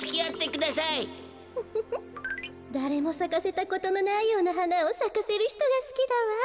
ウフフだれもさかせたことのないようなはなをさかせるひとがすきだわ。